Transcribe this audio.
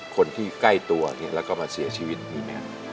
คนที่ใกล้ตัวเนี่ยแล้วก็มาเสียชีวิตมีไหม